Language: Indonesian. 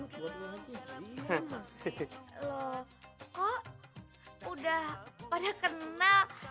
kok udah pada kenal